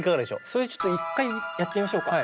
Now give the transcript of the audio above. それちょっと一回やってみましょうか。